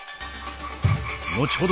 後ほど